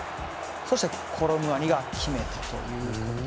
そして、コロムアニが決めたと。